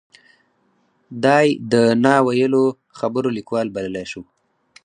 دای د نا ویلو خبرو لیکوال بللی شو.